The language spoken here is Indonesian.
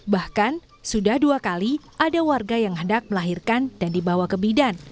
bahkan sudah dua kali ada warga yang hendak melahirkan dan dibawa ke bidan